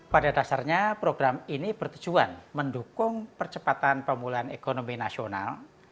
pada dasarnya program ini bertujuan mendukung percepatan pemulihan ekonomi nasional